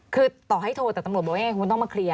คือต่อให้โทรแต่ตำรวจบอกว่าคุณต้องมาเคลียร์